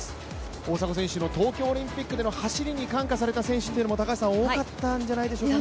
大迫選手の東京オリンピックでの走りに感化された選手も多かったんじゃないですかね？